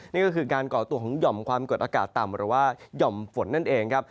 นี่ก็คือการก่อตัวของหย่อมความกดอากาศต่ำหรือว่าหย่อมฝนนั่นเองครับ